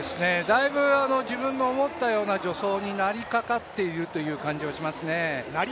だいぶ自分の思ったような助走になりかかっているという感じがしますね。